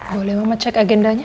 boleh mama cek agendanya